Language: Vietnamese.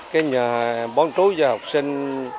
cái nhà bán chú cho học sinh